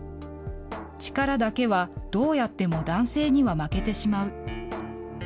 力だけはどうやっても男性には負けてしまう。